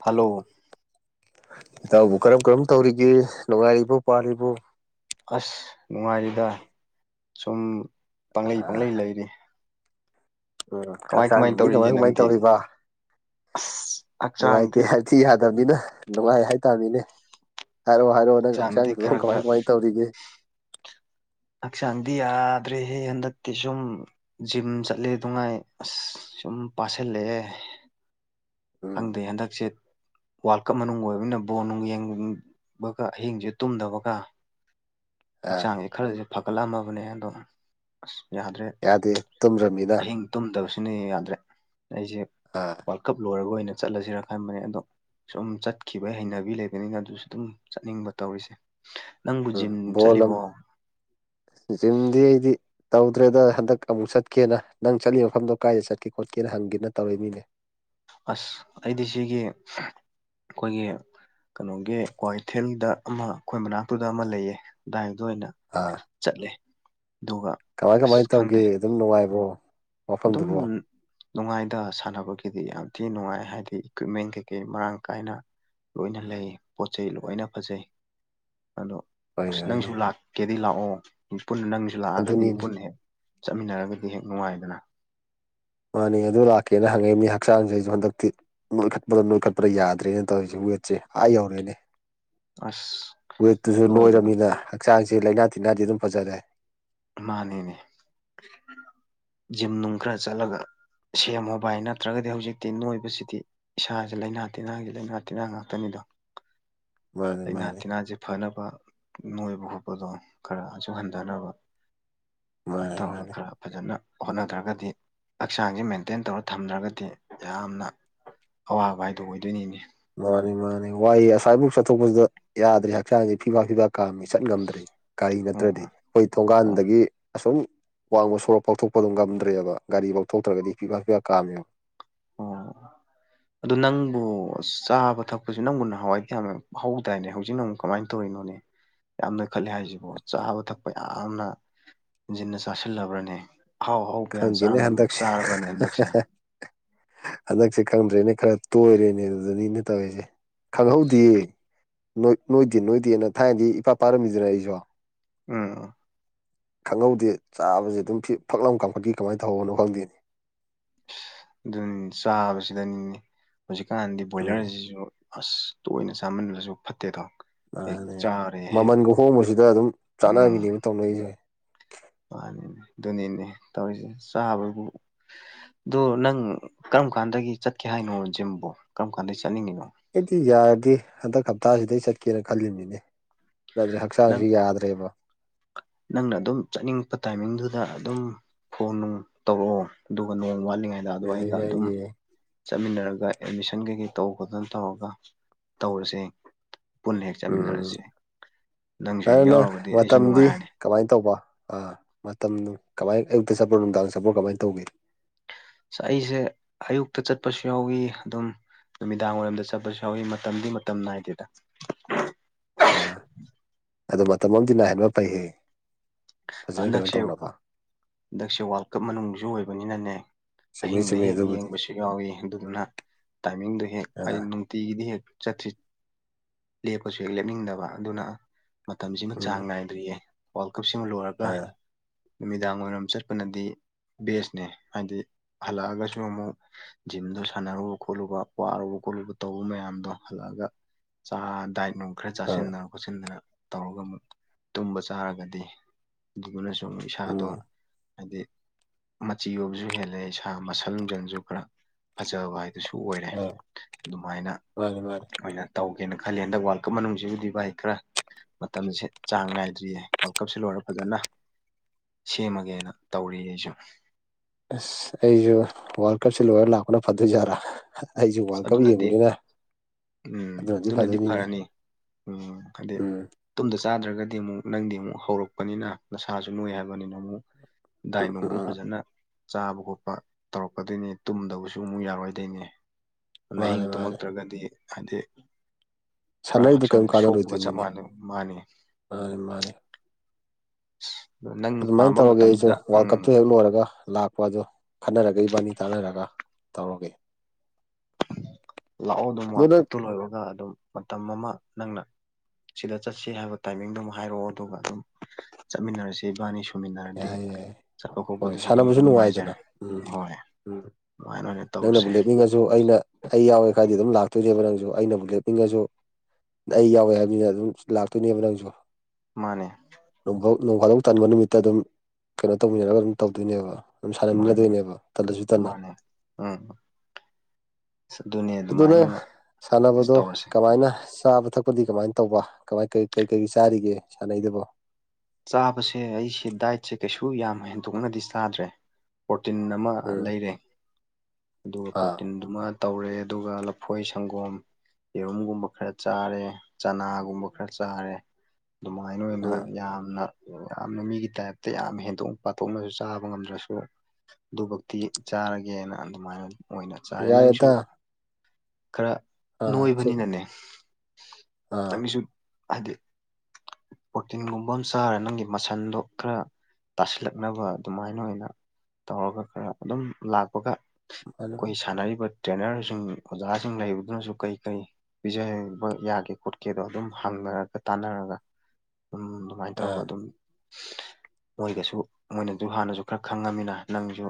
hello ꯏꯇꯥꯎꯕꯨ ꯀꯔꯝ ꯀꯔꯝ ꯇꯧꯔꯤꯒꯦ ꯅꯨꯡ ꯉꯥꯏꯔꯤꯕꯣ ꯄꯥꯜꯂꯤꯕꯣ ꯑꯁ ꯅꯨꯡꯉꯥꯏꯔꯤꯗ ꯁꯨꯝ ꯄꯪꯂꯩ ꯄꯪꯂꯩ ꯂꯩꯔꯤ ꯎꯝ ꯀꯃꯥꯏ ꯍꯛꯆꯥꯡ ꯗꯤ ꯇꯧꯔꯤꯒꯦ ꯀꯃꯥꯏ ꯀꯃꯥꯏ ꯅꯪꯗꯤ ꯇꯧꯔꯤꯕ ꯑꯁ ꯅꯨꯡꯉꯥꯏꯇꯦ ꯍꯛꯆꯥꯡꯗꯤ ꯍꯥꯏꯗꯤ ꯌꯥ ꯗꯝꯅꯤꯅ ꯅꯨꯡꯉꯥꯏ ꯍꯥꯏꯇꯥꯥꯝꯅꯤꯅꯦ ꯍꯥꯏꯔꯣ ꯍꯥꯏꯔꯛꯑꯣ ꯅꯪ ꯍꯛꯆꯥꯡ ꯍꯛꯆꯥꯡꯗꯤ ꯈꯔ ꯀꯃꯥꯏ ꯈꯔ ꯀꯃꯥꯏ ꯇꯧꯔꯤꯒꯦ ꯍꯛꯆꯥꯡꯗꯤ ꯌꯥꯗ꯭ꯔꯦꯍꯦ ꯍꯟꯗꯛꯇꯤ ꯁꯨꯝ ꯖꯤꯝ ꯆꯠꯂꯦ ꯗꯨꯉꯥꯏ ꯑꯁ ꯁꯨꯝ ꯄꯥꯁꯤꯜꯂꯛꯑꯦ [inaudible] ꯎꯝ ꯈꯪꯗꯦ ꯍꯟꯗꯛꯁꯦꯠ ꯋꯥꯔꯜ ꯀꯞ ꯃꯅꯨꯡ ꯑꯣꯏꯕꯅꯤꯅ ꯕꯣꯜ ꯅꯨꯡ ꯌꯦꯡꯕꯒ ꯑꯍꯤꯡꯁꯦ ꯇꯨꯝꯗꯕꯒ ꯑꯥ ꯍꯛꯆꯥꯡꯁꯦ ꯈꯔꯁꯦ ꯐꯒꯠꯂꯑꯝꯃꯕꯅꯦ ꯑꯗꯣ ꯑꯁ ꯌꯥꯗ꯭ꯔꯦ ꯌꯥꯗꯦ ꯇꯨꯝꯗ꯭ꯔꯕꯅꯤꯅ ꯑꯍꯤꯡ ꯇꯨꯝꯗꯕꯁꯤꯅ ꯌꯥꯗ꯭ꯔꯦ ꯑꯩꯁꯦ ꯑꯥ ꯋꯥꯔꯜ ꯀꯞ ꯂꯣꯏꯔꯒ ꯑꯣꯏꯅ ꯆꯠꯂꯁꯤꯔ ꯈꯟꯕꯅꯦ ꯑꯗꯣ ꯁꯨꯝ ꯆꯠꯈꯤꯕ ꯍꯩꯅꯕꯤ ꯂꯩꯕꯅꯤꯅ ꯑꯗꯨꯁꯨ ꯑꯗꯨꯝ ꯆꯠꯅꯤꯡꯕ ꯇꯧꯔꯤꯁꯦ ꯅꯪꯕꯨ ꯖꯤꯝ ꯍꯣꯂꯝ ꯆꯠꯂꯤꯕꯣ ꯖꯤꯃꯗꯤ ꯑꯩꯗꯤ ꯇꯧꯗ꯭ꯔꯦꯗ ꯍꯟꯗꯛ ꯑꯃꯨꯛ ꯆꯠꯀꯦꯅ ꯅꯪ ꯆꯠꯂꯤ ꯃꯐꯝꯗꯣ ꯀꯥꯏꯗ ꯆꯠꯀꯦ ꯈꯣꯠꯀꯦꯅ ꯍꯪꯒꯦꯅ ꯇꯧꯔ ꯃꯤꯅꯦ ꯑꯁ ꯑꯩꯗꯤ ꯁꯤꯒꯤ ꯑꯩꯈꯣꯏꯒꯤ ꯀꯩꯅꯣꯒꯤ ꯀ꯭ꯋꯥꯀꯊꯦꯜꯗ ꯑꯃ ꯑꯩꯈꯣꯏ ꯃꯅꯥꯛꯇꯨꯗ ꯑꯃ ꯂꯩꯌꯦ ꯑꯗꯨꯗꯥꯏ ꯑꯗꯨ ꯑꯣꯏꯅ ꯑꯥ ꯆꯠꯂꯦ ꯑꯗꯨꯒ ꯀꯃꯥꯏ ꯑꯁ ꯀꯃꯥꯏꯅ ꯇꯧꯒꯦ ꯈꯪꯗꯦ ꯑꯗꯨꯝ ꯅꯨꯡꯉꯥꯏꯕꯣ ꯑꯗꯨꯝ ꯅꯨꯡꯉꯥꯏꯗ ꯁꯥꯟꯅꯕꯒꯤꯗꯤ ꯌꯥꯝ ꯊꯤꯅ ꯅꯨꯡꯉꯥꯏ ꯍꯥꯏꯗꯤ ꯏꯀ꯭ꯋꯤꯞꯃꯦꯟ ꯀꯩꯀꯩ ꯃꯔꯥꯡ ꯀꯥꯏꯅ ꯂꯣꯏꯅ ꯂꯩ ꯄꯣꯠ ꯆꯩꯩ ꯂꯣꯏꯅ ꯐꯖꯩ ꯑꯗꯣ ꯍꯣꯏꯅꯦ ꯑꯁ ꯍꯣꯏꯅꯦ ꯅꯪꯁꯨ ꯂꯥꯛꯀꯦꯗꯤ ꯂꯥꯛꯑꯣ ꯄꯨꯟꯅ ꯅꯪꯁꯨ ꯂꯥꯛꯑꯒꯗꯤ ꯑꯗꯨꯅꯤꯅꯦ ꯄꯨꯟꯅ ꯍꯦꯛ ꯆꯠꯃꯤꯟꯅꯔꯒꯗꯤ ꯍꯦꯛ ꯅꯨꯡꯉꯥꯏꯗꯅ ꯃꯥꯅꯦ ꯑꯗꯨ ꯂꯥꯛꯀꯦꯅ ꯍꯪꯉꯛ ꯏꯝꯃꯤ ꯍꯛꯆꯥꯡꯁꯦ ꯑꯩꯁꯨ ꯍꯟꯗꯛꯇꯤ ꯅꯣꯏꯈꯠꯄꯗ ꯅꯣꯏꯈꯠꯄꯗꯥ ꯌꯥꯗ꯭ꯔꯦꯅ ꯇꯧꯔꯤꯖꯤꯕꯨ ꯋꯦꯠꯁꯦ ꯑꯥ ꯌꯧꯔꯦꯅꯦ ꯑꯁ ꯋꯦꯠꯇꯨꯁꯨ ꯅꯣꯏꯕꯗꯣ ꯅꯣꯏꯔꯝꯅꯤꯅ ꯍꯛꯆꯥꯡꯁ ꯂꯥꯏꯅꯥ ꯇꯤꯟꯅꯥꯗꯤ ꯑꯗꯨꯝ ꯐꯖꯔꯦ ꯃꯥꯅꯦꯅꯦ ꯖꯤꯝ ꯅꯨꯡ ꯈꯔ ꯆꯠꯂꯒ ꯁꯦꯝꯃꯨ ꯚꯥꯏ ꯅꯠꯇ꯭ꯔꯒꯗꯤ ꯍꯧꯖꯤꯛꯇꯤ ꯅꯣꯏꯕꯁꯤꯗꯤ ꯏꯁꯥꯁꯦ ꯂꯥꯏꯅꯥ ꯇꯤꯟꯅꯥꯒꯤ ꯂꯥꯏꯅꯥ ꯇꯤꯟꯅꯥ ꯉꯥꯛꯇꯅꯤꯗꯣ [inaudible] ꯃꯥꯅꯤ ꯂꯩꯅꯥ ꯃꯥꯅꯤ ꯇꯤꯟꯅꯥꯁꯦ ꯐꯅꯕ ꯅꯣꯏꯕ ꯈꯣꯠꯄꯗꯣ ꯈꯔ ꯑꯁꯨꯛ ꯍꯟꯊꯅꯕ ꯁꯨꯃꯥꯏꯅ ꯃꯥꯅꯤ ꯇꯧꯔꯒ ꯃꯥꯅꯤ ꯈꯔ ꯐꯖꯅ ꯍꯣꯠꯅꯗ꯭ꯔꯒꯗꯤ ꯍꯛꯆꯥꯡꯁꯦ ꯃꯦꯟꯇꯦꯟ ꯇꯧꯔ ꯊꯝꯗ꯭ꯔꯒꯗꯤ ꯌꯥꯝꯅ ꯑꯋꯥꯕ ꯍꯥꯏꯗꯣ ꯑꯣꯏꯗꯣꯏꯅꯤꯅꯦ ꯃꯥꯅꯤ ꯃꯥꯅꯤ ꯋꯥꯏꯍ ꯉꯁꯥꯏꯐꯧꯛ ꯆꯠꯊꯣꯛꯄꯁꯤꯗ ꯌꯥꯗ꯭ꯔꯦ ꯍꯛꯆꯥꯡꯁꯤ ꯐꯤꯐꯥ ꯐꯤꯐꯥ ꯀꯥꯝꯃꯤ ꯆꯠ ꯉꯝꯗ꯭ꯔꯦ ꯒꯥꯔꯤ ꯅꯠꯇ꯭ꯔꯗꯤ ꯑꯣ ꯑꯩꯈꯣꯏ ꯑꯣ ꯊꯣꯡꯒꯥꯟꯗꯒꯤ ꯑꯁꯣꯝ ꯋꯥꯡꯃ ꯁꯣꯔꯞ ꯐꯥꯎꯊꯣꯛꯄ ꯑꯗꯨꯝ ꯉꯝꯗ꯭ꯔꯦꯕ ꯒꯥꯔꯤ ꯐꯥꯎꯊꯣꯛꯇ꯭ꯔꯒꯗꯤ ꯐꯤꯐꯥ ꯐꯤꯐꯥ ꯀꯥꯝꯃꯦꯕ [unintelligible] ꯑꯣ ꯑꯗꯨ ꯅꯪꯕꯨ ꯆꯥꯕ ꯊꯛꯄꯁꯨ ꯅꯪꯕꯨ ꯅꯍꯥꯟꯋꯥꯏꯗꯤ ꯌꯥꯝꯅ ꯍꯧꯗꯥꯏꯅꯦ ꯍꯧꯖꯤꯛꯅ ꯑꯃꯨꯛ ꯀꯃꯥꯏꯅ ꯇꯧꯔꯤꯅꯣꯅꯦ ꯌꯥꯝꯅ ꯈꯜꯂꯦ ꯍꯥꯏꯁꯤꯕꯨꯣ ꯆꯥꯕ ꯊꯛꯄ ꯌꯥꯝꯅ ꯍꯦꯟꯖꯤꯟꯅ ꯆꯥꯁꯤꯜꯂꯕ꯭ꯔꯅꯦ ꯑꯍꯥꯎ ꯍꯥꯎꯕ ꯌꯥꯝ ꯈꯪꯗꯦꯅꯦ ꯍꯟꯗꯛꯁꯦ ꯆꯥꯔꯕꯅꯦ ꯍꯟꯗꯛꯁꯦ ꯍꯟꯗꯛꯁꯦ ꯈꯪꯝꯗ꯭ꯔꯦꯅꯦ ꯈꯔ ꯇꯣꯏꯔꯦꯅꯦ ꯑꯗꯨꯗꯩꯅꯤꯅꯦ ꯇꯧꯔꯤꯁꯦ ꯈꯪꯍꯧꯗꯦ ꯅꯣꯏꯗꯤ ꯅꯣꯏꯗꯦꯅ ꯊꯥꯏꯅꯗꯤ ꯏꯄꯥ ꯄꯥꯔꯝꯃꯤꯗꯨꯅꯤ ꯑꯩꯁꯨ ꯎꯝ ꯈꯪꯍꯧꯗꯦ ꯆꯥꯕꯁꯦ ꯑꯗꯨꯝ ꯐꯤ ꯐꯛꯂꯝ ꯀꯥꯈꯠꯈꯤ ꯀꯃꯥꯏꯅ ꯇꯧꯕꯅꯣ ꯈꯪꯗꯦ ꯑꯗꯨ ꯆꯥꯕꯁꯤꯗꯅꯤꯅꯦ ꯍꯧꯖꯤꯛꯀꯥꯟꯗꯤ ꯎꯝ ꯕꯣꯏꯂꯔꯁꯤꯁꯨ ꯑꯁ ꯇꯣꯏꯅ ꯆꯥꯃꯟꯕꯁꯨ ꯐꯠꯇꯦꯗꯣ ꯍꯦꯛ ꯃꯥꯅꯦ ꯆꯥꯔꯦ ꯍꯦꯛ ꯃꯃꯜꯒ ꯍꯣꯡꯕꯁꯤꯗ ꯑꯗꯨꯝ ꯎꯝ ꯆꯥꯟꯅꯕꯤꯅꯦꯕ ꯇꯧꯅꯔꯤꯁꯦ ꯃꯥꯅꯤꯅꯦ ꯑꯗꯨꯅꯤꯅꯦ ꯇꯧꯔꯤꯁꯦ ꯆꯥꯕꯕꯨ ꯑꯗꯨꯗꯣ ꯅꯪ ꯀꯔꯝ ꯀꯥꯟꯗꯒꯤ ꯆꯠꯀꯦ ꯍꯥꯏꯅꯣ ꯖꯤꯝꯕꯨ ꯀꯔꯝ ꯀꯥꯟꯗꯒꯤ ꯆꯠꯅꯤꯡꯉꯤꯅꯣ ꯑꯩꯗꯤ ꯌꯥꯔꯗꯤ ꯍꯟꯗꯛ ꯍꯞꯇꯥꯁꯤꯗꯩ ꯆꯠꯀꯦꯅ ꯈꯜꯂꯤꯅꯤꯅꯦ ꯅꯪ ꯅꯪꯅ ꯑꯗꯨꯝ ꯆꯠꯅꯤꯡꯉꯄ ꯇꯥꯏꯃꯤꯡꯗꯨꯗ ꯑꯗꯨꯝ ꯐꯣꯟ ꯅꯨꯡ ꯇꯧꯔꯛꯑꯣ ꯑꯗꯨꯒ ꯅꯣꯡ ꯋꯥꯠꯂꯤꯉꯩꯗ ꯑꯗꯣ ꯌꯥꯏꯌꯦ ꯑꯩꯒ ꯑꯗꯨꯝ ꯌꯥꯏꯌꯦ ꯆꯠꯃꯤꯟꯅꯔꯒ ꯑꯦꯠꯃꯤꯁꯟ ꯀꯩꯀꯩ ꯇꯧ ꯈꯣꯠꯇꯅ ꯇꯧꯔꯒ ꯇꯧꯔꯁꯦ ꯄꯨꯟꯅ ꯍꯦꯛ ꯆꯥꯃꯤꯟꯅꯔꯁꯤ ꯅꯪ ꯅꯪ ꯃꯇꯝꯗꯤ ꯅꯨꯡꯉꯥꯏꯔꯅꯤ ꯀꯃꯥꯏꯅ ꯇꯧꯕ ꯑꯥ ꯃꯇꯝ ꯀꯃꯥꯏ ꯑꯌꯨꯛꯇ ꯆꯠꯄꯔꯣ ꯅꯨꯡꯗꯥꯡꯗ ꯆꯠꯄꯔꯣ ꯀꯃꯥꯏꯅ ꯇꯧꯒꯦ ꯑꯩꯁꯦ ꯑꯌꯨꯛꯇ ꯆꯠꯄꯁꯨ ꯌꯥꯎꯏ ꯑꯗꯨꯝ ꯅꯨꯃꯤꯗꯥꯡ ꯋꯥꯏꯔꯝꯗ ꯆꯠꯄꯁꯨ ꯌꯥꯎꯏ ꯃꯇꯝꯗꯤ ꯃꯇꯝ ꯅꯥꯏꯗꯦꯗ ꯑ ꯃꯇꯝ ꯑꯃꯗꯤ ꯅꯥꯏꯍꯟꯕ ꯐꯩꯌꯦ ꯐꯖꯅ ꯀꯩꯅꯣ ꯍꯟꯗꯛꯁꯦ ꯇꯧꯅꯕ ꯍꯟꯗꯛꯁꯦ ꯋꯥꯜ ꯀꯞ ꯃꯅꯨꯡꯁꯨ ꯑꯣꯏꯕꯅꯤꯅꯅꯦ ꯆꯨꯝꯃꯤ ꯑꯍꯤꯡꯗ ꯆꯨꯝꯃꯤ ꯍꯦꯛ ꯑꯗꯨꯕꯨꯗꯤ ꯌꯦꯡꯕꯁꯨ ꯌꯥꯎꯏ ꯑꯗꯨꯗꯨꯅ ꯇꯥꯏꯃꯤꯡꯗꯨ ꯍꯦꯛ ꯑꯩ ꯑꯥ ꯅꯨꯡꯇꯤꯒꯤꯗꯤ ꯍꯦꯛ ꯆꯠꯁꯤ ꯂꯦꯞꯄꯁꯨ ꯍꯦꯛ ꯂꯦꯞꯅꯤꯡꯗꯕ ꯑꯗꯨꯅ ꯃꯇꯝꯁꯤꯃ ꯎꯝ ꯆꯥꯡ ꯅꯥꯏꯗ꯭ꯔꯤꯌꯦ ꯋꯥꯜ ꯀꯞꯁꯤꯃ ꯂꯣꯏꯔꯒ ꯑꯥ ꯅꯨꯃꯤꯗꯥꯡ ꯋꯥꯏꯔꯝ ꯆꯠꯄꯅꯗꯤ ꯕꯦꯁꯅꯦ ꯍꯥꯏꯗꯤ ꯍꯜꯂꯛꯑꯒꯁꯨ ꯑꯃꯨꯛ ꯖꯤꯝꯗꯣ ꯁꯥꯟꯅꯔꯨꯕ ꯈꯣꯠꯂꯨꯕ ꯋꯥꯔꯨꯕ ꯀꯣꯠꯂꯨꯕ ꯇꯧꯕ ꯃꯌꯥꯝꯗꯣ ꯍꯜꯂꯛꯑꯒ ꯆꯥ ꯗꯥꯏꯠ ꯅꯣꯡ ꯈꯔ ꯑꯥ ꯆꯥꯁꯤꯟꯗꯅ ꯈꯣꯠꯆꯤꯟꯗꯅ ꯇꯧꯔꯒ ꯑꯃꯨꯛ ꯇꯨꯝꯕ ꯆꯥꯔꯒꯗꯤ ꯑꯗꯨꯗꯨꯅꯁꯨ ꯎꯝ ꯨꯢꯁꯥꯗꯣ ꯍꯥꯏꯗꯤ ꯃꯆꯤ ꯑꯣꯏꯣꯕꯁꯨ ꯍꯦꯜꯂꯦ ꯏꯁꯥ ꯃꯁꯜ ꯅꯨꯡꯁꯟꯁꯨ ꯈꯔ ꯐꯖꯕ ꯍꯥꯏ ꯑꯗꯨꯁꯨ ꯑꯣꯏꯔꯦ ꯑ ꯑꯗꯨꯃꯥꯏꯅ ꯃꯥꯅꯤ ꯃꯥꯅꯤ ꯑꯩꯈꯣꯏꯅ ꯇꯧ ꯀꯦꯅ ꯈꯜꯂꯦ ꯍꯟꯗꯛ ꯋꯥꯔꯜ ꯀꯞ ꯃꯅꯨꯡꯁꯤꯕꯨꯗꯤ ꯚꯥꯏ ꯈꯔ ꯃꯇꯝꯁꯦ ꯆꯥꯡ ꯅꯥꯏꯗ꯭ꯔꯤꯌꯦ ꯋꯥꯜꯀꯞꯁꯦ ꯂꯣꯏꯔꯒ ꯐꯖꯅ ꯁꯦꯝꯃꯒꯦꯅ ꯇꯧꯔꯤ ꯑꯩꯁꯨ ꯑꯁ ꯑꯩꯁꯨ ꯋꯥꯔꯜ ꯀꯞꯁꯦ ꯂꯣꯏꯔ ꯂꯥꯛꯄꯅ ꯐꯗꯨꯏ ꯖꯥꯠꯂ ꯑꯩꯁꯨ ꯋꯥꯜ ꯀꯞ ꯑꯗꯨꯅꯗꯤ ꯌꯦꯡꯕꯅꯤꯅ ꯎꯝ ꯑꯗꯨꯅꯗꯤ ꯐꯔꯅꯤ ꯎꯝ ꯍꯥꯏꯗꯤ ꯎꯝ ꯇꯨꯝꯗꯔꯁꯨ ꯆꯥꯗ꯭ꯔꯒꯗꯤ ꯑꯃꯨꯛ ꯅꯪꯗꯤ ꯑꯃꯨꯛ ꯍꯧꯔꯛꯄꯅꯤꯅ ꯅꯁꯥꯁꯨ ꯅꯣꯏ ꯍꯥꯏꯕꯅꯤꯅ ꯑꯃꯨꯛ ꯗꯥꯏꯠ ꯎꯝ ꯅꯣꯡ ꯎꯝ ꯎꯝ ꯐꯖꯅ ꯆꯥꯕ ꯈꯣꯠꯄ ꯇꯧꯔꯛꯀꯗꯣꯏꯅꯦ ꯇꯨꯝꯗꯕꯁꯨ ꯑꯃꯨꯛ ꯌꯥꯔꯣꯏꯗꯣꯏꯅꯦ ꯑꯍꯤꯡ ꯃꯥꯅꯦ ꯃꯥꯅꯦ ꯇꯨꯝꯃꯛꯇ꯭ꯔꯒꯗꯤ ꯍꯥꯏꯗꯤ ꯄꯨꯔꯥ ꯁꯥꯟꯅꯔꯤꯗꯨ ꯀꯔꯤꯝ ꯍꯛꯆꯥꯡꯗ ꯁꯣꯛꯄꯒ ꯆꯞ ꯀꯥꯟꯅꯔꯣꯏꯗꯣꯏꯅꯤꯅꯦ ꯃꯥꯟꯅꯩ ꯃꯥꯅꯤ ꯃꯥꯅꯦ ꯃꯥꯅꯦ ꯑꯗꯨꯃꯥꯏꯅ ꯇꯧꯔꯒꯦ ꯑꯩꯁꯨ ꯃꯇꯝꯗ ꯋꯥꯜꯜ ꯎꯝ ꯀꯞꯇꯨ ꯍꯦꯛ ꯂꯣꯏꯔꯒ ꯂꯥꯛꯄ ꯑꯗꯨ ꯈꯟꯅꯔꯒ ꯏꯕꯥꯅꯤ ꯇꯥꯅꯔꯒ ꯇꯧꯔꯒꯦ ꯂꯥꯛꯑꯣ ꯑꯗꯨꯝ ꯑꯗꯨ ꯋꯥꯔꯜ ꯅꯪ ꯀꯞꯇꯨ ꯂꯣꯏꯔꯒ ꯑꯗꯨꯝ ꯃꯇꯝ ꯑꯃ ꯅꯪꯅ ꯁꯤꯗ ꯆꯠꯁꯤ ꯍꯥꯏꯕ ꯇꯥꯏꯃꯤꯡꯗꯨ ꯍꯥꯏꯔꯛꯑꯣ ꯑꯗꯨꯒ ꯑꯗꯨꯝ ꯆꯠꯃꯤꯟꯅꯔꯁꯤ ꯏꯕꯥꯅꯤ ꯁ ꯌꯥꯏ ꯌꯥꯏ ꯍꯣꯏ ꯑꯗꯨꯝ ꯁꯥꯟꯅꯕꯁꯨ ꯅꯨꯡꯉꯥꯏꯗꯅ ꯅꯨꯡꯉꯥꯏꯖꯔꯦ ꯎꯝꯝ ꯍꯣꯏ ꯎꯝ ꯑꯗꯨꯃꯥꯏꯅ ꯑꯣꯏꯅ ꯅꯪꯅꯕꯨ ꯇꯧꯔꯁꯦ ꯂꯦꯞꯅꯤꯡꯉꯁꯨ ꯑꯩꯅ ꯑꯩ ꯌꯥꯎꯋꯦ ꯈꯗꯤ ꯑꯗꯨꯝ ꯂꯥꯛꯇꯣꯏꯅꯦꯕ ꯅꯪꯁꯨ ꯑꯩꯅꯕꯨ ꯂꯦꯞꯅꯤꯡꯉꯁꯨ ꯑꯩ ꯌꯥꯎꯋꯦ ꯍꯥꯏꯕꯅꯤꯅ ꯑꯗꯨꯝ ꯂꯥꯛꯇꯣꯏꯅꯦꯕ ꯅꯪꯁꯨ ꯃꯥꯅꯦ ꯅꯣꯡꯐꯥꯎ ꯅꯣꯡ ꯈꯥꯗꯣꯛ ꯇꯟꯕ ꯅꯨꯃꯤꯠꯇ ꯑꯗꯨꯝ ꯀꯩꯅꯣ ꯇꯧꯃꯤꯟꯅꯔꯒ ꯑꯗꯨꯝ ꯇꯧꯗꯣꯏꯅꯦꯕ ꯑꯗꯨꯝ ꯃꯥꯅꯦ ꯁꯥꯟꯅꯃꯤꯟꯅꯗꯣꯏꯅꯦꯕ ꯇꯜꯂꯁꯨ ꯇꯂ ꯃꯥꯅꯦ ꯎꯝ ꯑꯁ ꯑꯗꯨꯅꯦ ꯑꯗꯨꯅ ꯑꯗꯨꯃꯥꯏꯅ ꯑꯣꯏꯅ ꯁꯥꯟꯅꯕꯗꯣ ꯇꯧꯔꯁꯦ ꯀꯃꯥꯏꯅ ꯆꯥꯕ ꯊꯛꯄꯗꯤ ꯀꯃꯥꯏꯅ ꯇꯧꯕ ꯀꯃꯥꯏ ꯀꯩ ꯀꯩ ꯆꯥꯔꯤꯒꯦ ꯁꯥꯟꯅꯩꯗꯨꯕꯨꯣ ꯆꯥꯕꯁꯦ ꯑꯩꯁꯦ ꯗꯥꯏꯠꯁꯦ ꯀꯩꯁꯨ ꯌꯥꯝ ꯍꯦꯟꯗꯣꯛꯅꯗꯤ ꯆꯥꯗ꯭ꯔꯦ ꯄ꯭ꯔꯣꯇꯤꯟ ꯑꯃ ꯎꯝ ꯂꯩꯔꯦ ꯑꯗꯨꯒ ꯑꯥ ꯄ꯭ꯔꯣꯇꯤꯟꯗꯨꯃ ꯇꯧꯔꯦ ꯑꯗꯨꯒ ꯂꯐꯣꯏ ꯁꯪꯒꯣꯝ ꯌꯦꯔꯨꯝꯒꯨꯝꯕ ꯈꯔ ꯆꯥꯔꯦ ꯆꯅꯥꯒꯨꯝꯕ ꯈꯔ ꯆꯥꯔꯦ ꯑꯗꯨꯃꯥꯏꯅ ꯑꯣꯏꯅ ꯎꯝ ꯌꯥꯝ ꯌꯥꯝꯅ ꯃꯤꯒꯤ ꯇꯥꯏꯞꯇ ꯌꯥꯝ ꯍꯦꯟꯗꯣꯛꯅ ꯄꯥꯊꯣꯛꯅꯁꯨ ꯆꯥꯕ ꯉꯝꯗ꯭ꯔꯁꯨ ꯑꯗꯨꯕꯨꯛꯇꯤ ꯆꯥꯔꯒꯦꯅ ꯑꯗꯨꯃꯥꯏꯅ ꯑꯣꯏꯅ ꯆꯥꯔꯦ ꯅꯪꯁꯨ ꯌꯥꯔꯦꯗ ꯈꯔ ꯑꯥ ꯁꯨꯝ ꯅꯣꯏꯕꯅꯤꯅꯅꯦ ꯑꯥ ꯅꯪꯒꯤꯁꯨ ꯑꯦ ꯄ꯭ꯔꯣꯇꯒꯨꯝ ꯕꯣꯝ ꯆꯥꯔꯦ ꯅꯪꯒꯤ ꯃꯁꯟꯗꯣ ꯈꯔ ꯇꯥꯁꯤꯜꯂꯛꯅꯕ ꯑꯗꯨꯃꯥꯏꯅ ꯑꯣꯏꯅ ꯇꯧꯔꯒ ꯈꯔ ꯑꯗꯨꯝ ꯂꯥꯛꯄꯒ ꯃꯥꯅꯤ ꯑꯩꯈꯣꯏ ꯁꯥꯟꯅꯔꯤꯕ ꯇ꯭ꯔꯦꯅꯔꯁꯤꯡ ꯑꯣꯖꯥꯁꯤꯡ ꯂꯩꯕꯗꯨꯅꯁꯨ ꯀꯔꯤ ꯀꯔꯤ ꯄꯤꯖꯕ ꯌꯥꯒꯦ ꯈꯣꯠꯀꯦꯗꯣ ꯑꯗꯨꯝ ꯍꯪꯅꯔꯒ ꯇꯥꯟꯅꯔꯒ ꯑꯗꯨꯝ ꯁꯃꯥꯏꯅ ꯇꯧꯔꯒ ꯑꯥ ꯑꯗꯨꯝ [inaudible] ꯃꯣꯏꯒꯁꯨ ꯃꯣꯏꯅꯁꯨ ꯍꯥꯟꯅꯁꯨ ꯈꯔ ꯈꯪꯉꯃꯤꯅ ꯅꯪꯁꯨ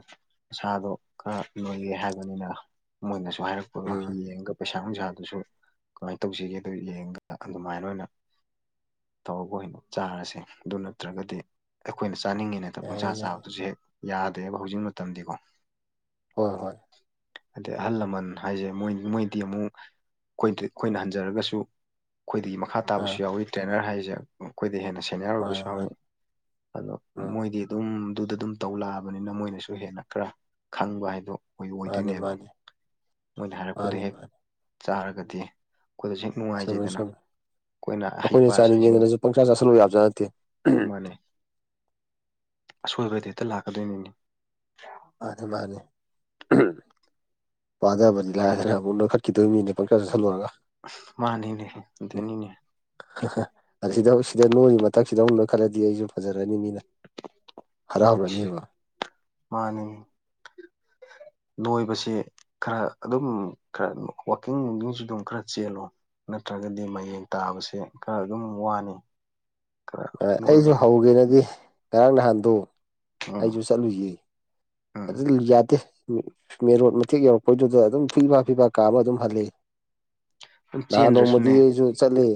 ꯃꯁꯥꯗꯣ ꯈꯔ ꯂꯣꯏꯌꯦ ꯍꯥꯏꯕꯅꯤꯅ ꯃꯣꯏꯅꯁꯨ ꯍꯥꯏꯔꯛꯄꯗꯣ ꯎꯝ ꯌꯦꯡꯒ ꯄꯩꯁꯥ ꯅꯨꯡꯁꯥꯗꯨꯁꯨ ꯀꯃꯥꯏꯅ ꯇꯧꯖꯒꯦ ꯑꯗꯨ ꯌꯦꯡꯕꯗ ꯑꯗꯨꯃꯥꯏꯅ ꯑꯣꯏꯅ ꯇꯧꯔꯛ ꯋ‌ꯣꯏꯅ‌ꯣ ꯆꯥꯔꯁꯦ ꯑꯗꯨ ꯅꯠꯇ꯭ꯔꯒꯗꯤ ꯑꯩꯈꯣꯏꯅ ꯆꯥꯅꯤꯡꯉ‌ꯦꯅ ꯍ‌ꯦꯛꯇ ꯄꯪꯆꯥ ꯌꯥꯏꯌꯦ ꯌꯥꯏꯌꯦ ꯆꯥꯕꯗꯨꯁꯨ ꯍꯦꯛ ꯌꯥꯗꯦꯕ ꯍꯧꯖꯤꯛ ꯃꯇꯝꯗꯤꯀꯣ ꯍꯣꯏ ꯍꯣꯏ ꯑꯗꯩ ꯑꯍꯜ ꯂꯃꯟ ꯍꯥꯏꯁꯦꯣꯏ ꯃꯣꯏꯗꯤ ꯑꯃꯨꯛ ꯑꯩꯈ ꯑꯩꯈꯣꯏꯅ ꯍꯟꯖꯔꯒꯁꯨ ꯑꯩꯈꯣꯏꯗꯒꯤ ꯃꯈꯥ ꯑꯥ ꯇꯥꯕꯁꯨ ꯌꯥꯎꯋꯤ ꯇ꯭ꯔꯦꯅꯔ ꯍꯥꯏꯁꯦ ꯑꯩꯈꯣꯏꯗ ꯍꯦꯟꯅ ꯁꯦꯅꯤꯌꯔ ꯃꯥꯅꯤ ꯑꯣꯏꯕꯁꯨ ꯍꯧꯎꯋꯤ ꯃꯥꯅꯤ ꯑꯗꯣ ꯎꯝ ꯃꯣꯏꯗꯤ ꯑꯗꯨꯝ ꯑꯗꯨꯗ ꯑꯗꯨꯝ ꯇꯧ ꯂꯛꯑꯕꯅꯤꯅ ꯃꯣꯏꯅꯁꯨ ꯍꯦꯟꯅ ꯈꯔ ꯈꯪꯕ ꯍꯥꯏꯗꯣ ꯑꯩꯈꯣꯏ ꯃꯥꯅꯤ ꯑꯣꯏꯗꯣꯏꯅꯦꯕ ꯃꯥꯅꯤ ꯅꯣꯏꯅ ꯍꯥꯏꯔꯛꯄꯗꯣ ꯃꯥꯅꯤ ꯍꯦꯛ ꯃꯥꯅꯤ ꯆꯥꯔꯒꯗꯤ ꯑꯩꯈꯣꯏꯗꯁꯨ ꯍꯦꯛ ꯆꯨꯝꯃꯦ ꯅꯨꯡꯉꯥꯏꯖꯩꯗꯅ ꯆꯨꯝꯃꯦ ꯑꯩꯈꯣꯏꯅ ꯍꯩ ꯄ ꯍꯥꯏꯁꯤꯡꯗ ꯆ ꯆꯥꯁꯤꯜꯂꯨ ꯌꯥꯕꯖꯥꯠ ꯅꯠꯇꯦ ꯑꯁꯣꯏꯕꯗ ꯍꯦꯛꯇ ꯂꯥꯛꯀꯗꯣꯏꯅꯤꯅꯤ ꯃꯥꯅꯦ ꯃꯥꯅꯦ ꯄꯥꯗꯕꯅꯤ ꯂꯥꯏꯗꯅ ꯑꯃꯨꯛ ꯅꯈꯠꯈꯤꯗꯣꯏ ꯃꯤꯅꯦ ꯄꯪꯈꯥ ꯆꯠ ꯁꯜꯂꯨꯔꯒ ꯃꯥꯅꯤꯅꯦ ꯗꯅꯤꯅꯦ ꯁꯤꯗ ꯁꯤꯗ ꯅꯣꯡꯒꯤ ꯃꯊꯛ ꯁꯤꯗ ꯍꯧꯅ ꯈꯜꯂꯗꯤ ꯑꯩꯁꯨ ꯐꯖꯔꯅꯤ ꯃꯤꯅ ꯈꯔꯕꯅꯤꯕ ꯃꯥꯅꯦ ꯅꯣꯏꯕꯁꯦ ꯈꯔ ꯑꯗꯨꯝ ꯈꯔ ꯋꯥꯋꯀꯤꯡ ꯅꯨꯡꯡꯁꯨ ꯑꯗꯨꯝ ꯈꯔ ꯆꯦꯜꯂꯣ ꯅꯠꯇ꯭ꯔꯒꯗꯤ ꯃꯌꯦꯡ ꯇꯥꯕꯁꯤ ꯈꯔ ꯑꯗꯨꯝ ꯋꯥꯅꯤ ꯈꯔ ꯅꯣꯏꯕ ꯑꯩꯁꯨ ꯍꯧꯒꯦꯅꯗꯤ ꯉꯔꯥꯡ ꯅꯍꯥꯟꯗꯣ ꯎꯝ ꯑꯩꯁꯨ ꯆꯠꯂꯨꯁꯦ ꯎꯝ ꯑꯗꯨꯗꯤ ꯌꯥꯗꯦ ꯃ‌ꯦ ꯃꯦꯟꯔꯣꯠ ꯃꯇꯦꯛ ꯌꯧꯔꯛꯄꯩꯗꯨꯗ ꯑꯗꯨꯝ ꯐꯤꯕꯥ ꯐꯤꯕꯥ ꯀꯥꯃ ꯑꯗꯨꯝ ꯍꯜꯂ‌ꯦ ꯑꯗꯨꯝ ꯅꯍꯥꯟ ꯅꯣꯡꯃꯗꯤ ꯆꯦꯟꯗ꯭ꯔꯁꯨꯅꯦ ꯑꯩꯖꯨ ꯆꯠꯂꯤ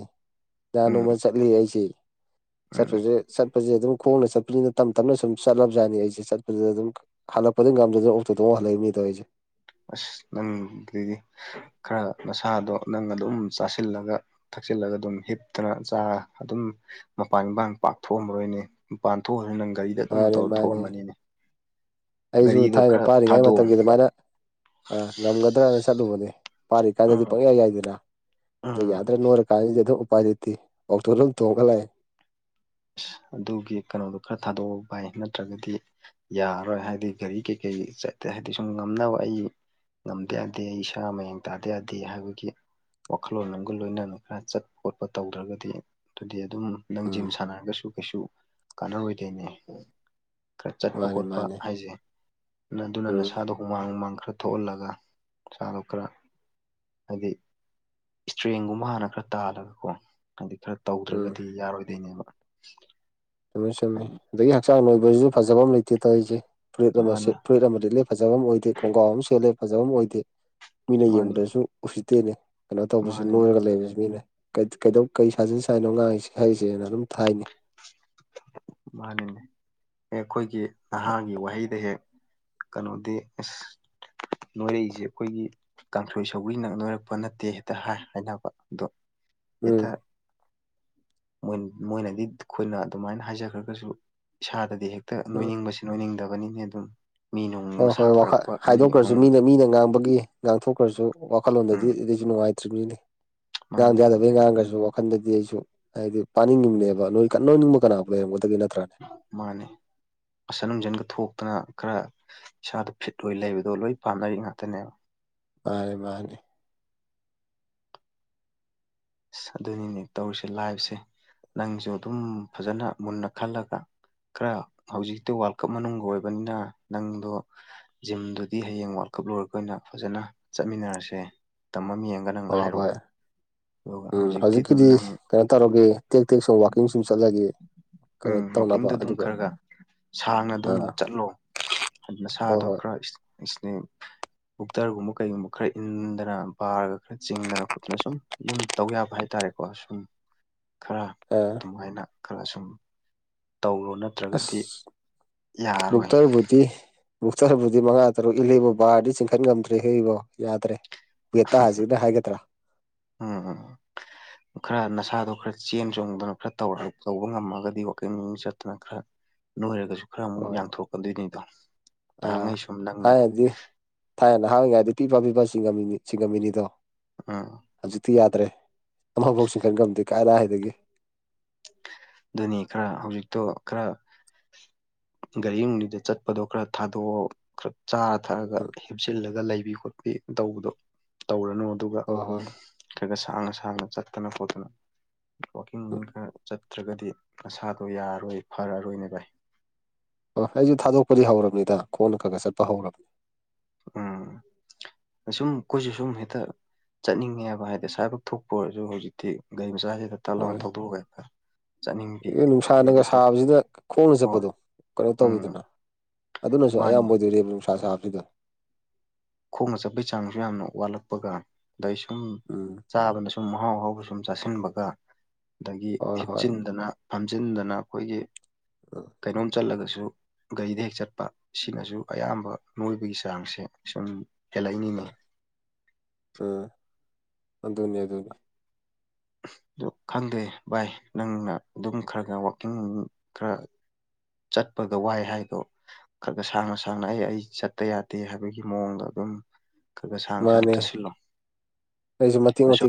ꯅꯍꯟ ꯎꯝ ꯅꯣꯡꯃ ꯆꯠꯂꯤ ꯑꯩꯁꯦ ꯎꯝ ꯆꯠꯄꯁꯦ ꯆꯠꯄꯁꯦ ꯑꯗꯨꯝ ꯈꯣꯡꯅ ꯆꯠꯄꯅꯤꯅ ꯇꯞ ꯇꯞꯅ ꯁꯨꯝ ꯆꯠꯂꯕꯖꯥꯠꯅꯤ ꯑꯩꯁꯦ ꯆꯠꯄꯗꯨꯗ ꯑꯗꯨꯝ ꯍꯜꯂꯛꯄꯗ ꯉꯝꯗꯗꯅ ꯑꯣꯛꯇꯣ ꯇ‌ꯣꯡꯉ ꯍꯜꯂꯛꯏꯝꯅꯦ ꯇꯧꯔꯤꯖ‌ꯦ ꯑꯁ ꯅꯪꯗꯤ ꯈꯔ ꯅꯁꯥꯗꯣ ꯅꯪ ꯑꯗꯨꯝ ꯆꯥꯁꯤꯜꯂꯒ ꯊꯛꯆꯤꯜꯂꯒ ꯑꯗꯨꯝ ꯍꯤꯞꯇꯅ ꯆꯥ ꯑꯗꯨꯝ ꯃꯄꯥꯟ ꯏꯄꯥꯟ ꯄꯥꯛ ꯊꯣꯛꯑꯝꯃꯔꯣꯏꯅꯦ ꯃꯄꯥꯟ ꯊꯣꯛꯑꯖꯨ ꯅꯪ ꯒꯥꯔꯤꯗ ꯑꯗꯨꯝ ꯇꯧꯔ ꯊꯣꯛꯑꯝꯃꯅꯤꯅꯦ ꯑꯩꯖꯨ ꯒꯥꯔꯤꯗꯣ ꯊꯥꯏꯅ ꯈꯔ ꯄꯥꯔꯤꯉꯩ ꯊꯥꯗꯣꯛꯑꯣ ꯃꯇꯝꯒꯤ ꯑꯗꯨꯃꯥꯏꯅ ꯑꯥ ꯉꯝꯒꯗ꯭ꯔꯅ ꯆꯠꯂꯨꯕꯅꯦ ꯄꯥꯔꯤꯀꯥꯟꯗꯗꯤ ꯎꯝ ꯄꯪꯌꯥ ꯌꯥꯏꯗꯅ ꯑꯗꯨ ꯎꯝ ꯌꯥꯗ꯭ꯔꯥ ꯅꯣꯏꯔꯀꯥꯟꯁꯤꯗꯗꯨ ꯎꯄꯥꯏ ꯂꯩꯇꯦ ꯑꯣꯛꯇꯣꯗ ꯑꯗꯨꯝ ꯇꯣꯡꯉ ꯂꯥꯛꯑꯦ ꯑꯗꯨꯒꯤ ꯀꯩꯅꯣꯗ‌ꯣ ꯈꯔ ꯊꯥꯗꯣꯛꯑꯣ ꯚꯥꯏ ꯅꯠꯇ꯭ꯔꯒꯗꯤ ꯌꯥꯔꯔꯣꯏ ꯍꯥꯏꯗꯤ ꯒꯥꯔꯤ ꯀꯩꯀꯩ ꯑ ꯍꯥꯏꯗꯤ ꯁꯨꯝ ꯉꯝꯅꯕ ꯑꯩ ꯉꯝꯗ ꯌꯥꯗꯦ ꯑꯩ ꯏꯁꯥ ꯃꯌꯦꯡ ꯇꯥꯗ ꯌꯥꯗꯦ ꯍꯥꯏꯕꯒꯤ ꯋꯥꯈꯜꯂꯣꯟ ꯑꯃꯒ ꯂꯣꯏꯅꯅ ꯈꯔ ꯆꯠꯄ ꯈꯣꯠꯄ ꯇꯧꯗ꯭ꯔꯒꯗꯤ ꯑꯗꯨꯗꯤ ꯑꯗꯨꯝ ꯅꯪ ꯖꯤꯝ ꯎꯝ ꯁꯥꯟꯅꯔꯒꯁꯨ ꯀꯩꯁꯨ ꯀꯥꯟꯅꯔꯣꯏꯗꯩꯅꯦ ꯈꯔ ꯆꯠꯄ ꯃꯥꯅꯦ ꯈꯣꯠꯄ ꯃꯥꯅꯦ ꯍꯥꯏꯖ‌ꯦ ꯑꯗꯨꯅ ꯎꯝ ꯅꯁꯥꯗꯣ ꯍꯨꯃꯥꯡ ꯍꯨꯃꯥꯡ ꯈꯔ ꯊꯣꯛꯍꯜꯂꯒ ꯏꯁꯥꯥꯗꯣ ꯈꯔ ꯍꯥꯏꯗꯤ ꯏꯁꯇ꯭ꯔꯦꯡꯒꯨꯝꯕ ꯍꯥꯟꯅ ꯈꯔ ꯇꯥꯜꯂꯒꯀꯣ ꯍꯥꯏꯗꯤ ꯈꯔ ꯎꯝ ꯇꯧꯗ꯭ꯔꯒꯗꯤ ꯌꯥꯔꯣꯏꯗꯩꯅꯦꯕ ꯆꯨꯝꯃꯤ ꯆꯨꯝꯃꯤ ꯑꯗꯒꯤ ꯍꯛꯆꯥꯡ ꯅꯣꯏꯕꯁꯤꯁꯨ ꯐꯖꯕꯝ ꯂꯩꯇꯦ ꯇꯧꯔꯤꯁꯦ ꯐꯨꯔꯤꯠ ꯑꯃ ꯃꯥꯅꯤ ꯁꯨꯠ ꯐꯨꯔꯤꯠ ꯑꯃ ꯂꯤꯠꯂ‌ꯩ ꯐꯖꯕꯝ ꯑꯣꯏꯗꯦ ꯈꯣꯡꯒ꯭ꯔꯥꯎ ꯑꯝ ꯁꯦꯠꯂꯦ ꯐꯖꯕꯝ ꯑꯣꯏꯗꯦ ꯃꯤꯅ ꯃꯥꯅꯤ ꯌꯦꯡꯕꯗꯁꯨ ꯎꯁꯤꯠꯇꯦꯅꯦ ꯀꯩꯅꯣ ꯇꯧꯕꯁꯦ ꯃꯥꯅꯤ ꯅꯣꯏꯔꯒ ꯂꯩꯕꯁꯦ ꯃꯤꯅ ꯀꯩ ꯀꯩꯗꯧ ꯀꯩ ꯁꯥꯖꯤꯟ ꯁꯥꯟꯅꯣ ꯉꯥꯡꯉꯤꯁꯤ ꯍꯥꯏꯔꯤꯁꯦꯅ ꯑꯗꯨꯝ ꯊꯥꯏꯅꯤ ꯃꯥꯅꯤꯅꯦ ꯑꯩꯈꯣꯏꯒꯤ ꯅꯍꯥꯒꯤ ꯋꯥꯍꯩꯗ ꯍꯦꯛ ꯀꯩꯅꯣꯗꯤ ꯏꯁ ꯅꯣꯏꯔꯛꯏꯁꯦ ꯑꯩꯈꯣꯏꯒꯤ ꯀꯥꯡꯁꯣꯏ ꯁꯧꯒꯔꯤꯅ ꯅꯣꯏꯔꯛꯄ ꯅꯠꯇꯦ ꯍꯦꯛꯇ ꯍꯥꯏ ꯍꯥꯏꯅꯕ ꯑꯗꯣ ꯎꯝ ꯍ‌ꯦꯠꯇ ꯃ‌ꯣꯏꯅ ꯃꯣꯏꯅꯗꯤ ꯑꯩꯈꯣꯏꯅ ꯑꯗꯨꯃꯥꯏꯅ ꯍꯥꯏꯖꯈ꯭ꯔꯒꯁꯨ ꯏꯁꯥꯗꯗꯤ ꯍꯦꯛ ꯍ‌ꯦꯛꯇ ꯎꯝ ꯅꯣꯏꯅꯤꯡꯕꯁꯤ ꯅꯣꯏꯅꯤꯡꯗꯕꯅꯤꯅꯦ ꯑꯗꯨꯝ ꯃꯤ ꯅꯨꯡ ꯍꯣꯏ ꯃꯁꯥ ꯍꯣꯏ ꯋꯥꯈꯜ ꯐꯔꯛꯄ ꯃꯤ ꯍꯥꯏꯗꯣꯛꯈ꯭ꯔꯁꯨ ꯑꯍꯨꯝ ꯃꯤꯅ ꯃꯤꯅ ꯉꯥꯡꯕꯒꯤ ꯉꯥꯡꯊꯣꯛꯈ꯭ꯔꯁꯨ ꯎꯝ ꯋꯥꯈꯜꯂꯣꯟꯗꯗꯤ ꯑꯗꯨꯏꯁꯨ ꯅꯨꯡꯉꯥꯏꯇꯦ ꯭ꯅꯤ ꯉꯥꯡꯗ ꯃꯥꯅꯦ ꯌꯥꯗꯕꯩ ꯉꯥꯡꯈ꯭ꯔꯁꯨ ꯋꯥꯈꯟꯗꯗꯤ ꯑꯩ [unintelligible] ꯍꯥꯏꯗꯤ ꯄꯥꯅꯤꯡꯉꯤꯕꯅꯦꯕ ꯅ‌ꯣꯏ ꯅꯣꯏꯅꯤꯡꯕ ꯀꯅꯥꯕꯨ ꯂꯩꯔꯝꯒꯗꯒꯦ ꯅꯠ ꯃꯥꯅꯦ ꯃꯁꯟ ꯅꯨꯡꯖꯟꯒ ꯊꯣꯛꯇꯅ ꯈꯔ ꯏꯁꯥꯗ ꯐꯤꯠ ꯑꯣꯏ ꯂꯩꯕꯗꯣ ꯂꯣꯏ ꯄꯥꯝꯅꯔꯤ ꯉꯥꯛꯇꯅꯦꯕ ꯃꯥꯅꯦ ꯃꯥꯅꯦ ꯑꯁ ꯑꯗꯨꯅꯤꯅꯦ ꯇꯧꯔꯤꯁꯦ ꯂꯥꯏꯐ ꯁꯦ ꯅꯪꯁꯨ ꯑꯗꯨꯝ ꯐꯖꯅ ꯃꯨꯟꯅ ꯈꯜꯂꯒ ꯈꯔ ꯍꯧꯖꯤꯛꯇꯤ ꯋꯥꯔꯜ ꯀꯞ ꯃꯅꯨꯡ ꯑꯣꯏꯕꯅꯤꯅ ꯅꯪꯗꯣ ꯖꯤꯝꯗꯨꯗꯤ ꯍꯌꯦꯡ ꯋꯥꯔꯜ ꯀ ꯀꯞ ꯂ‌ꯣꯏꯔꯒ ꯑꯣꯏꯅ ꯐꯖꯅ ꯆꯠꯃꯤꯟꯅꯔꯁꯦ ꯃꯇꯝ ꯑꯝ ꯌꯦꯡꯉꯒ ꯅꯪ ꯍꯣꯏ ꯍꯥꯏꯔꯛꯑꯣ ꯍꯣꯏ ꯑꯗꯨꯒ ꯎꯝ ꯍꯧꯖꯤꯛꯇꯤ ꯑꯗꯨꯝ ꯍꯧꯖꯤꯛꯀꯤꯗꯤ ꯅꯪ ꯀꯩꯅꯣ ꯇꯧꯔꯒꯦ ꯇꯦꯛ ꯇꯦꯛ ꯁꯨꯝ ꯋꯥꯛꯀꯤꯡ ꯁꯨꯝ ꯆꯠꯂꯒꯦ ꯀꯩꯅꯣ ꯎꯝ ꯇꯧꯅꯕ ꯋꯥꯛꯀꯤꯡꯗꯣ ꯑꯗꯨꯝ ꯑꯗꯨꯒ ꯈꯔ ꯈꯔ ꯁꯥꯡꯅ ꯑꯗꯨꯝ ꯑꯥ ꯆꯠꯂꯣ ꯍꯥꯏ ꯍꯣꯏ ꯅꯁꯥꯗꯣ ꯍꯣꯏ ꯈꯔ ꯏꯁ ꯏꯁ ꯅꯪ ꯕꯨꯛꯇꯔꯒꯨꯝꯕ ꯀꯩꯒꯨꯝꯕ ꯈꯔ ꯏꯟꯗꯅ ꯕꯥꯔꯒ ꯈꯔ ꯆꯤꯡꯗꯅ ꯈꯣꯠꯇꯅ ꯁꯨꯝ ꯌꯨꯝ ꯇꯧ ꯌꯥꯕ ꯍꯥꯏꯇꯥꯔꯦꯀꯣ ꯁꯨꯝ ꯈꯔ ꯑꯥ ꯑꯗꯨꯃꯥꯏꯅ ꯈꯔ ꯁꯨꯝ ꯇꯧꯔꯣ ꯑꯁ ꯅꯠꯇ꯭ꯔꯒꯗꯤ ꯌꯥꯔꯣꯏ ꯕꯨꯛꯇꯔꯕꯨꯗꯤ ꯕꯨꯛꯇꯔꯕꯨꯗꯤ ꯃꯉꯥ ꯇꯔꯨꯛ ꯏꯜꯂꯦꯕ ꯕꯥꯔꯗꯤ ꯆꯤꯡꯈꯠ ꯉꯝꯗ꯭ꯔꯦꯍ‌ꯦ ꯏꯕꯣ ꯌꯥꯗ꯭ꯔꯦ ꯋꯦꯇꯥꯁꯤꯗ ꯍꯥꯏꯒꯗ꯭ꯔꯥ ꯎꯝ ꯎꯝ ꯈꯔ ꯅꯁꯥꯗꯣ ꯈꯔ ꯆꯦꯟ ꯆꯣꯡꯗꯅ ꯈꯔ ꯇꯧꯔ ꯇꯧꯕ ꯉꯝꯃꯒꯗꯤ ꯋꯥꯛꯀꯤꯡ ꯆꯠꯇꯅ ꯈꯔ ꯅꯣꯏꯔꯒꯁꯨ ꯈꯔ ꯑꯃꯨꯛ ꯍꯣꯏ ꯌꯥꯡꯊꯣꯔꯛꯀꯗꯣꯏꯅꯤꯗꯣ ꯑꯥ ꯊꯥꯏꯅꯗꯤ ꯊꯥꯏꯅ ꯍꯥꯡꯏꯉꯥꯏꯗꯤ ꯄꯤꯕ ꯄꯤꯕ ꯆꯤꯡꯉꯝꯃꯤꯅꯤꯗꯣ ꯎꯝ ꯍꯧꯖꯤꯗꯤꯤ ꯌꯥ ꯠꯇ꯭ꯔꯦ ꯑꯃꯐꯥꯎ ꯈꯟ ꯉꯝꯗꯦ ꯀꯥꯏꯔ ꯍꯥꯏꯗꯒꯤ ꯑꯗꯨꯅꯤ ꯈꯔ ꯍꯧꯖꯤꯛꯇꯣ ꯈꯔ ꯒꯥꯔꯤ ꯅꯨꯡꯅꯤꯗ ꯆꯠꯄꯗꯣ ꯈꯔ ꯊꯥꯗꯣꯛꯑꯣ ꯈꯔ ꯆꯥꯔ ꯊꯛꯑꯒ ꯎꯝ ꯍꯦꯞꯆꯤꯜꯂꯒ ꯂꯩꯕꯤ ꯈꯣꯠꯄꯤ ꯇꯧꯕꯗꯣ ꯇꯧꯔꯅꯨ ꯑꯗꯨꯒ ꯍꯣꯏ ꯍꯣꯏ ꯈꯔ ꯈ ꯁꯥꯡꯅ ꯁꯥꯡꯅ ꯆꯠꯇꯅ ꯈꯣꯠꯇꯅ ꯋꯥꯋꯀꯤꯡ ꯋꯀꯤꯡ ꯈꯔ ꯆꯠ ꯅꯠꯇ꯭ꯔꯒꯗꯤ ꯅꯁꯥꯗꯣ ꯌꯥꯔꯔꯣꯏ ꯐꯔꯔꯣꯏꯅ ꯥꯏ ꯍꯣꯏ ꯑꯩꯁꯨ ꯊꯥꯗꯣꯛꯄꯗꯤ ꯍꯧꯔꯕꯅꯤꯗ ꯈꯣꯟꯅ ꯈꯒ ꯆꯠꯄ ꯍꯧꯔꯕꯅꯤ ꯎꯝ ꯁꯨꯝ ꯈꯨꯁꯨ ꯁꯨꯝ ꯍꯦꯇꯥ ꯆꯠꯅꯤꯡꯉꯦꯕ ꯍꯥꯏꯗꯤ ꯑ ꯏꯁꯁꯥꯏꯕꯛ ꯊꯣꯛꯄ ꯑꯣꯏꯔꯁꯨ ꯍꯧꯖꯤꯛꯇꯤ ꯒꯥꯔꯤ ꯃꯆꯥꯁꯤꯗ ꯇꯠꯂꯥꯎꯒ ꯊꯧꯗꯣꯛꯑꯒ ꯆꯠꯅꯤꯡꯕꯤ ꯅꯨꯡꯁꯥꯅꯪꯒ ꯑꯗꯨꯒꯤꯗ ꯇꯧ ꯁꯥꯕꯁꯤꯅ ꯈꯣꯡꯅ ꯍꯣꯏ ꯆꯠꯄꯗꯣ ꯀꯩꯅꯣ ꯎꯝ ꯇꯧꯋꯤꯗꯅ ꯑꯗꯨꯅꯁꯨ ꯃꯥꯅꯤ ꯑꯌꯥꯝꯕ ꯑꯣꯏꯗꯣꯏꯔꯤꯕ ꯅꯨꯡꯁꯥ ꯁꯥ ꯍꯥꯞꯕꯁꯤꯗꯣ ꯈꯣꯡꯅ ꯆꯠꯄꯒꯤ ꯆꯥꯡꯁꯨ ꯌꯥꯝꯅ ꯋꯥꯠꯂꯛꯄꯒ ꯑꯗꯩ ꯁꯨꯝ ꯎꯝ ꯆꯥꯕꯅ ꯁꯨꯝ ꯃꯍꯥꯎ ꯑꯍꯥꯎꯕ ꯁꯨꯝ ꯆꯥꯁꯤꯟꯕꯒ ꯑꯗꯒꯤ ꯍꯣꯏ ꯍꯣꯏ ꯍꯤꯞꯆꯤꯟꯗꯅ ꯐꯝꯖꯤꯟꯗꯅ ꯑꯩꯈꯣꯏꯒꯤ ꯎꯝ ꯀꯩꯅꯣꯝ ꯆꯜꯂꯒꯁꯨ ꯁꯨ ꯒꯥꯔꯤꯗ ꯍꯦꯛ ꯆꯠꯄ ꯁꯤꯅꯁꯨ ꯑꯌꯥꯝꯕ ꯅꯣꯏꯕꯒꯤ ꯆꯥꯡꯁꯦ ꯁꯨꯝ ꯆꯦꯜꯂꯛꯏꯅꯦ ꯎꯝ ꯑꯗꯨꯅꯤ ꯑꯗꯨꯅꯤ [unintelligible] ꯑ ꯈꯪꯗꯦ ꯚꯥꯏ ꯅꯪꯅ ꯑꯗꯨꯝ ꯈꯔ ꯈꯔ ꯋꯥꯋꯀꯤꯡ ꯈꯔ ꯆꯠꯄꯒ ꯋꯥꯏ ꯍꯥꯏꯗꯣ ꯈꯔꯒ ꯁꯥꯡꯅ ꯁꯥꯡꯅ ꯑꯩ ꯑꯩ ꯆꯠꯇ ꯌꯥꯗꯦ ꯍꯥꯏꯕꯒꯤ ꯃꯑꯣꯡꯗ ꯑꯗꯨꯝ ꯈꯔ ꯈ ꯁꯥꯡ ꯁꯥꯡ ꯃꯥꯅꯦ ꯇꯥꯁꯤꯜꯂꯣꯨꯝ ꯑꯩꯁꯨ ꯃꯇꯦꯛ ꯃꯇꯦꯛ